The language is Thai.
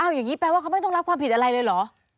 อย่างนี้แปลว่าเขาไม่ต้องรับความผิดอะไรเลยเหรอ